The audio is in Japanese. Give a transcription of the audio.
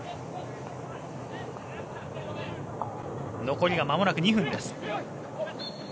残りがまもなく２分です。